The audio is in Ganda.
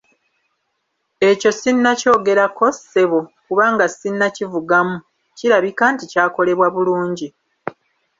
Ekyo sinnakyogerako, ssebo, kubanga sinnakivugamu; kirabika nti kyakolebwa bulungi.